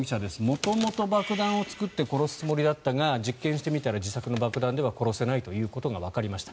元々、爆弾を作って殺すつもりだったが実験してみたら自作の爆弾では殺せないということがわかりました。